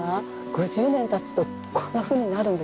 ５０年たつとこんなふうになるんですもんね。